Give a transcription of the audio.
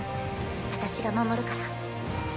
私が守るから。